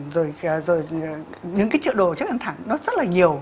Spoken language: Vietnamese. rồi những cái chữ đồ chất ăn thẳng nó rất là nhiều